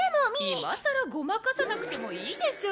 今更ごまかさなくてもいいでしょう。